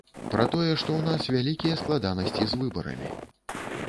Пра тое, што ў нас вялікія складанасці з выбарамі.